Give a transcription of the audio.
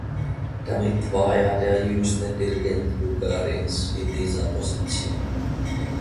Damit war er der jüngste Dirigent Bulgariens in dieser Position.